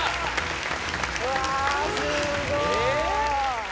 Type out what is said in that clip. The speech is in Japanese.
うわすごい。